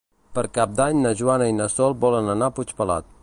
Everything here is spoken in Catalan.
Per Cap d'Any na Joana i na Sol volen anar a Puigpelat.